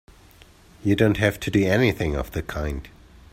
You don't have to do anything of the kind!